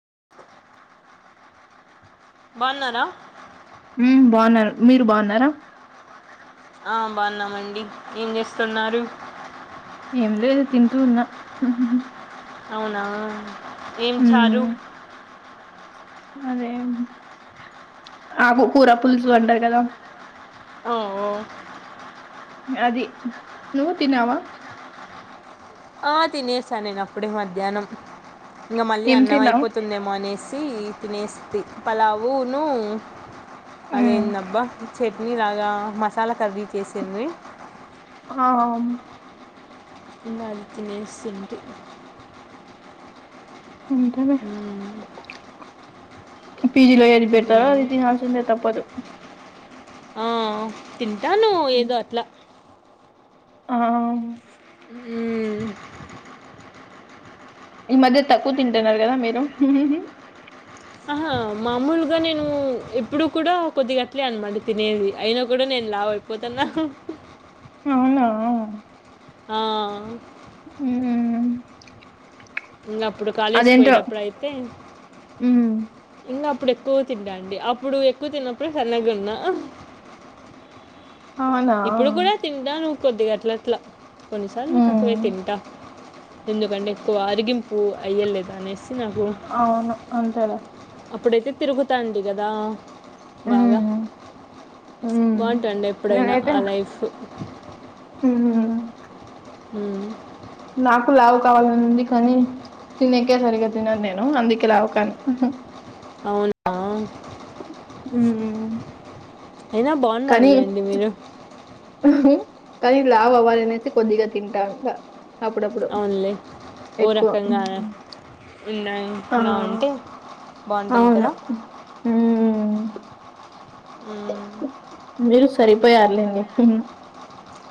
[inaudible] బాగున్నారా ఉమ్ బాగున్నారు మీరు బాగున్నారా ఆ బాగున్నామండి ఏం చేస్తున్నారు ఏం లేదు తింటూ ఉన్నా హుహు అవునా ఏం చారు అదేం ఆకు కూర పులుసు అంటారు కదా ఓఓ అది నువ్ తిన్నావా ఆ తినేసాను నేను అప్పుడే మధ్యాహ్నం ఇంగ మళ్ళీ ఏం అన్నం తిన్నావు? అయిపోతుందేమో అనేసి తినేస్తి పలావును హ్మ్. అదేందబ్బా చట్నీ లాగా మసాలా కర్రీ చేసింది ఆమ్ ఇంగ అది తినేస్ తింటి అంతేలే మ్మ్. పీజీలో ఏది పెడతారో అది ఇంకేమండి తినాల్సిందే తప్పదు ఆ తింటాను ఉమ్, ఏదో అట్లా ఆ ఉమ్ ఈ మధ్య తక్కువ తింటున్నారు గదా మీరు ఆహా మామూలుగా నేను ఎప్పుడు కూడా కొద్దిగా అట్లే అన్నమాట తినేది అయినా కూడా నేను లావై పోతున్న అవునా? ఆ ఉమ్ ఇంగ అప్పుడు కాలేజ్కి పోయేటప్పుడు అయితే హ్మ్. ఇంగా అప్ అప్పుడు ఎక్కువ తింటాండి అప్పుడు ఎక్కువ తిన్నప్పుడు సన్నగున్న అవునా? ఇప్పుడు గూడా తింటాను కొద్దిగా అట్లా అట్లా కొన్నిసార్లు హ్మ్. తక్కువే తింటా ఎందుకంటే ఎక్కువ ఆరిగింపు అయ్యలేదా అనేసి నాకు అవును అంతేలా అప్పుడైతే తిరుగుతాంటీ గదా బాగా హ్మ్. హ్మ్. బాగుంటాండే ఎప్పుడైనా ఆలైఫ్ ఉమ్ ఉమ్ నాకు లావు కావాలని ఉంది కానీ తినేకే సరిగా తినను నేను అందుకే లావుకాను అవునా ఉమ్ అయినా బాగున్నారులేండి మీరు కానీ లావ్ అవ్వాలినేసి కొద్దిగా తింటాం ఇగ అవున్లే ఓ ఉమ్. రకంగానే ఉన్నా ఆ ఉన్నా అంటే బాగుంటుంది కదా ఆ ఆ మీరు సరిపోయారులేండి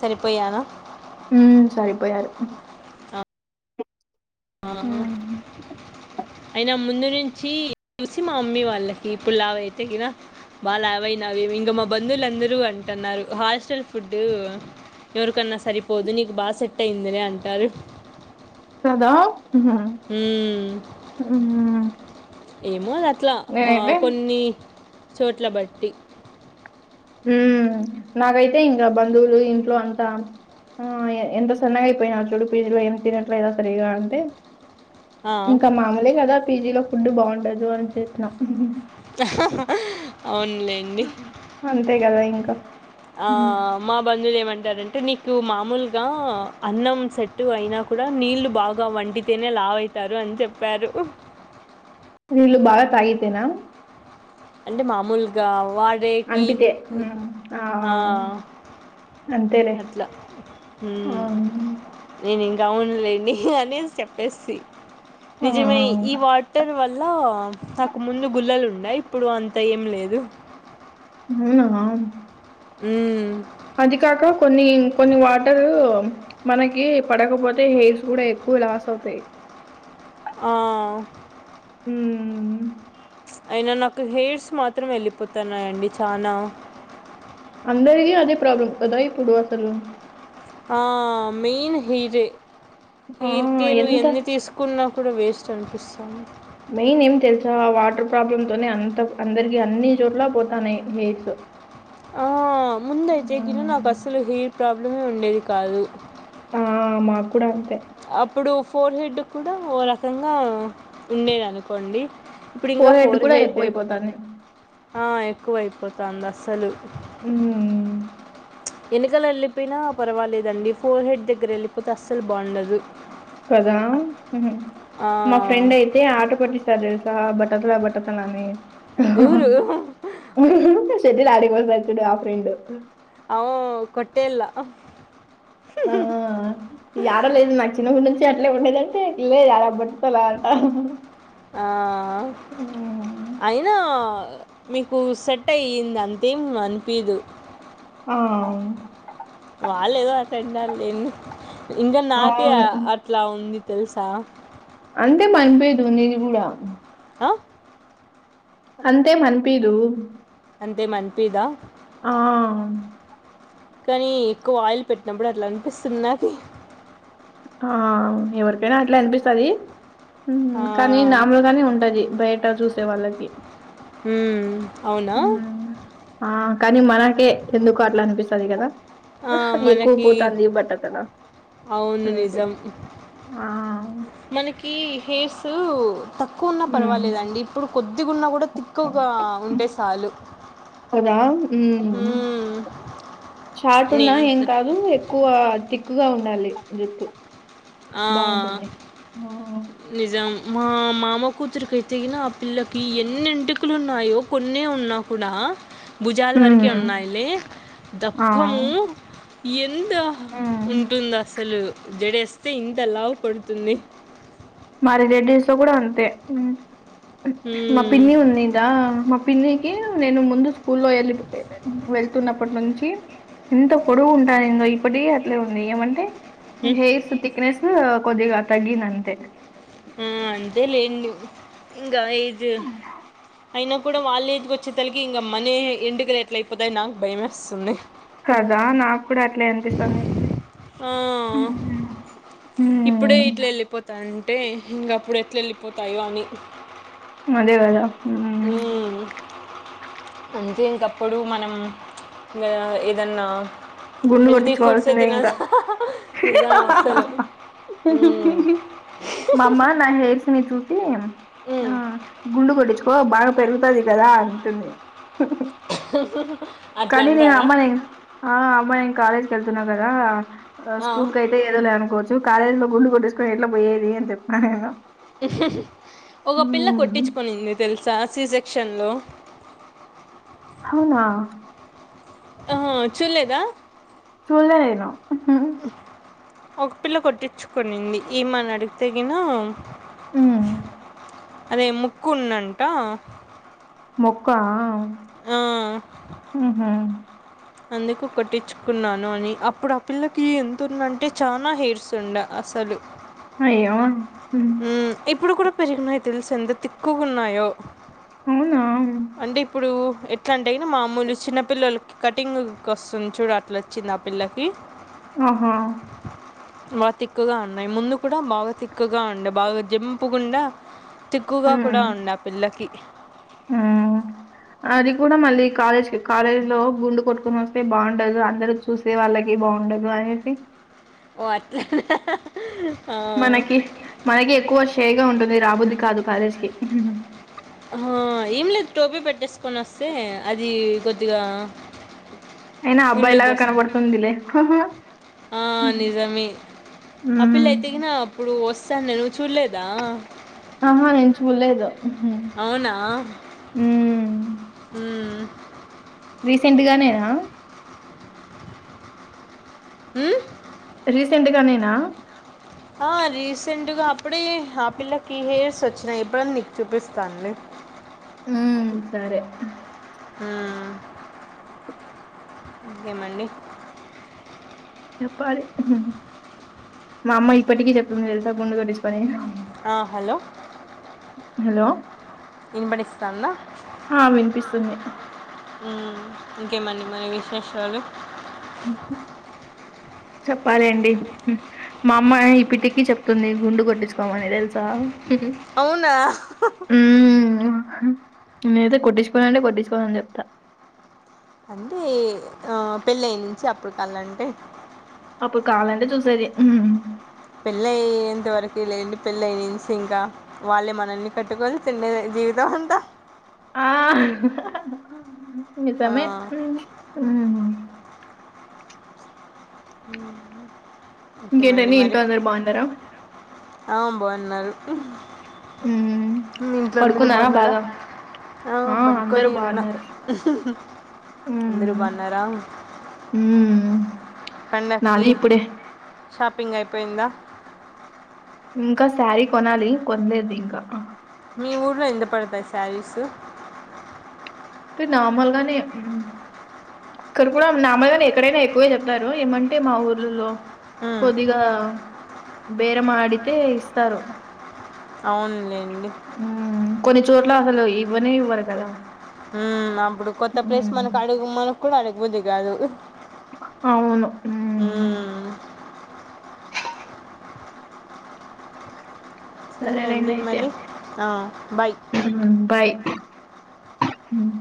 సరిపోయానా ఊ సరిపోయారు ఆ ఉమ్, అయినా ముందు నుంచీ [inaudible] చూశీ మా మమ్మీ వాళ్ళకి ఇప్పుడు లావ్ అయితే గినా బాలావైనావి ఇంగ మా బంధువులు అందరూ అంటన్నారు హాస్టల్ ఫుడ్డూ. ఎవరికన్నా సరిపోదు నీకు బాగా సెట్ అయ్యిందిలే అంటారు. కదా మ్మ్. ఏమో అది అట్లా ఆ నేనైతే కొన్నీ చోట్లా బట్టి. ఉమ్మ్ నాకైతే ఇంకా బంధువులు ఇంట్లో అంతా. ఆ ఎంత సన్నగా అయిపోయినావ్ చూడు పీజీలో ఏం తినట్లేదా సరిగా అంటే. ఆ. ఇంకా మామూలే కదా పీజీ లో ఫుడ్డు బాగుండదు అన్ చెప్పినా. అవున్లేండి అంతే గదా ఇంకా ఆ హ్మ్. మా బంధువులు ఏమంటారంటే నీక్ కు మామూలుగా అన్నం సెట్టు అయినా కూడా నీళ్లు బాగా వండితేనే లావ్ అయితారు. అని చెప్పారు నీళ్ళు బాగా తాగితేనా. అంటే మామూలుగా వాడేకీ అంటితే. హ్మ్. ఆ అంతేలే. అట్లా ఆ! హ్ము నేనింక్ గ అవునులేండి అనేశ్ చెప్పేసీ ఆ! నిజమే ఈ వాటర్ వల్లా నాకు ముందు గుల్లలు ఉం న్నాయి ఇప్పుడు అంత ఏం లేదు అవునా ఊ అది కాకా కొన్నీ కొన్ని వాటరూ మనకీ పడకపోతే హెయిర్స్ గూడా ఎక్కు వ లాస్ అవుతాయి ఆ ఊహ్మ్ అయినా నాకు హెయిర్స్ మాత్రం ఎళ్ళిపోతాన్నాయండి చానా. అందరికి అదే ప్రాబ్లం గదా ఇప్పుడూ అసలు. ఆ మెయిన్ హెయిరే ఆ! హెయిర్ కేర్లు ఎంత ఎన్ని తీసుకున్నా కూడా వేస్ట్ అనిపిస్తాంద్. మెయిన్ ఏం తెల్సా వాటర్ ప్రాబ్లమ్ తోనే అంత అందరికి అన్నీ చోట్లా పోతాన్నాయ్ హెయిర్స్. ఆ ముందయితే గినా హ్మ్. నాక్ అస్సలు హెయిర్ ప్రాబ్లమే ఉండేది కాదు. ఆ ఆ మాక్ కూడా అంతే. అప్పుడు ఫోర్ హెడ్డుక్ కూడా ఓ రకంగా ఉండేదనుకోండి. ఇప్పుడు ఇంగా ఫోర్‌హెడ్ ఫోర్ కూడా హెడ్డ్ ఎక్కువైపోతాంది. ఆ ఎక్కువ అయిపోతాంది అస్సలు. ఊ ఊ ఎనికాల ఎళ్ళిపోయినా పర్వాలేదండి ఫోర్ హెడ్ దగ్గర ఎళ్ళిపోతే అస్సలు బాగుండదు. కదా మా ఫ్రెండ్ అయితే ఆట పట్టిస్తారు దెల్స్ దా బట్టతలా బట్టతలా అనీ. ఎవరు చెడ్డీలో ఆడికిపోయేసొచ్చిండు ఆ ఫ్రెండు. అవును కొట్టేలా ఆ యాడ లేదు నా చిన్న గుండె అట్లే ఉండేదంటే లేదు అలా కొట్టుకోలే అంటా ఆ అయినా మీకు సెట్ అయ్యింది అంతేం అనిపీదు ఆ అవును వాళ్ళేదో అట్లంటారులేమో ఇంకా నాకే అవును. అట్లా ఉంది తెలుసా అంతే పనిపీదు నీది కూడా ఆ అంతేం అనిపీదు అంతేం అనిపీదా ఆ కానీ ఎక్కువ ఆయిల్ పెట్టినప్పుడు అట్లా అనిపిస్తది నాకు ఆ ఎవరికైనా అట్లా అనిపిస్తది కానీ నార్మల్ గానే ఉంటది బయట చూసే వాళ్ళకి అవునా ఆ కానీ మనకే ఎందుకో అట్లా అనిపిస్ ఉంటది కదా ఎక్కువ మనకి పోతుంది బట్టతల [inaudible] అవును ఆ నిజం ఆ అవును మనకి హెయిర్స్ తక్కువ ఉన్నా పర్వాలేదండి ఇప్పుడు కొద్దిగున్నా కూడా తిక్కువగా ఉంటే సాలు అదా మ్మ్ షార్ట్ ఉన్నా ఏం నేను కాదు ఎక్కువ థిక్ క్కుగా ఉండాలి జుట్టు ఆ బాగుంటుంది ఆ, నిజం మా మామ కూతురికైతేగిన ఆ పిల్లకి ఎన్నెంటికలు ఉన్నాయో కొన్నే ఉన్నా కూడా భుజాలు వరకే ఉమ్ ఉన్నాయిలే ఆ దప్పము ఎంత ఉమ్. ఉంటుంది అసలు జడేస్తే ఇంతలావు పడుతుంది మా రెడెడీస్ లో కూడా అంతే మా హ్మ్. పిన్ని ఉంది తాను మా పిన్ని కి నేను ముందు స్కూల్లో వెళ్ళి వెళ్తున్నప్పటి నుంచి ఎంత పొడుగు ఉంటాయి ఇంగ ఇప్పటికీ అట్లే ఉంది ఏమంటే హ్మ్. హెయిర్స్ తిక్ నెస్ కొద్దిగా తగ్గింది అంతే మ్మ్ అంతే లేండి ఇంక [unintelligible] అయినా అప్పుడు వాళ్ళేజ్కి వచ్చే తలకి ఇంకా మనీ ఎంటికలు ఎట్ల అయిపోతాయో నాకు భయమేస్తుంది కదా నాకు కూడా అట్లే అనిపిస్తుంది ఆ ఇప్పుడే ఇట్లా ఉమ్ వెళ్ళిపోతా ఉంటే ఇంక అప్పుడు ఎట్లా వెళ్ళిపోతాయో అని అదే కదా ఆ ఉమ్, [unintelligible] ప్పుడు మనం ఆ ఏదన్నా గుండు హెల్తీ ఫుడ్సే కొట్టించుకోవాల్సిందే ఇంకా తినదు నిజం అస్సలు మ్మ్. మా అమ్మ నా హెయిర్స్ ని చూసి ఆ మ్మ్. గుండు కొట్టించుకో బాగా పెరుగుతది కదా అంటుంది అట్లా కానీ నీ అంటారా అమ్మని ఆ పై కాలేజ్ కి వెళ్తున్నావు కదా ఆ. స్కూల్కైతే ఏదో లే అనుకోవచ్చు కార్యాలో గుండు కొట్టించుకొని ఎట్లా పోయేది అని చెప్పా నేను ఒక పిల్ల ఉమ్ కొట్టించుకునింది తెలుసా సి సెక్ న్షన్లో అవునా ఆ చూడ్లేదా [unintelligible] ఒక పిల్ల కొట్టించుకునింది ఈ మని అడుగ్తినేనా హ్మ్ అదే ముక్కున్నంట మొక్క హ్మ్ మ్ అందుకు కొట్టించుకున్నాను అని అప్పుడు ఆ పిల్లకి ఎంతుందంటే చానా హెయిర్స్ ఉండ అస అలు అయ్యో ఉమ్ హ్మ్ ఇప్పుడు కూడా పెరిగినయ తెలుసు ఎంత తిక్కుగున్నాయో అవ్నా ఎట్లా అంటే అయినా మామూలు చిన్నపిల్లలకి కటింగ్కి వస్తుంది చూడు అట్లా వచ్చింది ఆ పిల్లకి ఆహా బాగా తిక్కువగా ఉన్నాయి ముందు కూడా బాగా తిక్కుగా ఉండ బాగా జంపకుండా తిక్కువగా కూడా ఉమ్ ఉన్న పిల్లకి హ్మ్ అది కూడా మళ్ళీ కాలేజ్ కాలేజ్ లో గుండు కొట్టుకొని వస్తే బాగుండదు అందరు చూసే వాళ్ళ ఆ పిల్లకి బాగుండదు అనేసి ఓ అట్లే మనకి మనకి ఎక్కువ షై గా ఉంటుంది రాబుద్ది కాదు కాలేజ్ కి హా ఏం లేదు టోపీ పెట్టేసుకొని వస్తే అది కొద్దిగా అయినా అబ్బాయి లాగా ఫుల్ కనపడుతుందిలే ఆ నిజమే ఆ పిల్ల హ్మ్. అయితే కిన అప్పుడు వస్త వచ్చాన్ నేను చూడలేదా ఆహా నేను చూలేదు అవునా మ్ మ్మ్ రీసెంట్గానే ఆ మ్మ్ రీసెంట్గా నేనా ఆ రీసెంట్గా అప్పుడే ఆ పిల్లకి హెయిర్స్ వచ్చినాయి ఎప్పుడని నీకు చూపిస్తాన్ లే హ్మ్ సరే హ్మ్ ఇకేమండి మా అమ్మ ఇప్పటికీ చెప్తుంది తెలుసా గుండె తకోర్టించుకో అని ఆ హలో హలో ఇన్బడిస్తస్తానుందా ఆ! వినిపిస్తుంది. హ్మ్ ఓకేమండి మరి విశేషాలు హ్మ్ హు చెప్పాలండి మా అమ్మ ఈప్పిటికి చెప్తుంది గుండు కొట్టించుకోమని తెలుసా అవునా హ్మ్ నేనైతే కొట్టించుకోనంటే కొట్టించుకోన అని చెప్తా అంటే ఆ పెళ్ళయ్య నుంచి అప్పుడు కాలంటే అప్పుడు కావాలంటే చూసేది పెళ్ళయ్యేంత వరకే లేండి పెళ్ళయి నుంచి ఇంకా వాళ్ళే మనల్ని కట్టుకొని [unintelligible] జీవితమంతా ఆ ఆ, నిజమే మ్మ్ మ్మ్ కేమండి ఇంకేంటండి మరి ఇంట్లో అందరు బాగున్నారా ఆ బాగున్నారు హ్మ్ మీ ఇంట్లో అందరు పడుకున్నారా బాగున్నారా బాగా ఆ అందరూ పనుకొని ఉన్నా బాగున్నారు అందరూ బాన్నారా మ్మ్ పండక్కి షాపింగ్ అయిపోయిందా ఇంకా శారీ కొనాలి కొనలేదు ఇంకా మీ ఊర్లో ఎంత పడతాయి శారీస్ తే నార్మల్గానే అక్కడ కూడా నార్మల్గానే ఎక్కడైనా ఎక్కువే చెప్తారు ఏమంటే మా ఊర్లలో మ్మ్. కొద్దిగా బేరమాడితే ఇస్తారు అవునండి హ్మ్ కొన్ని చోట్ల అసలు ఇవ్వనే ఇవ్వరు కదా హ్మ్ అప్పుడు కొత్త ప్లేస్ ఉమ్, మనకు అడుగు మనకు కూడా అడగబుద్ధి కాదు అవును మ్మ్ సరే సరేలైన్ అండి అయితే మరి బాయ్ బాయ్ మ్మ్